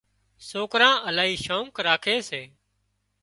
سوڪران الاهي شوق راکي سي